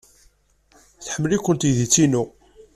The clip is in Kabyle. Tḥemmel-iken teydit-inu.